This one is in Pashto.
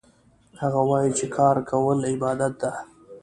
هغه وایي چې کار کول عبادت ده